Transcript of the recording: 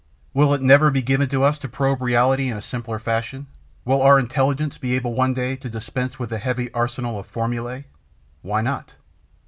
Will it never be given to us to probe reality in a simpler fashion? Will our intelligence be able one day to dispense with the heavy arsenal of formulae? Why not?